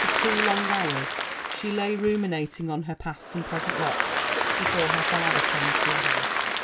237 For (WO long hours she lay rumio^^ing on lier past and present lot before her father came to her.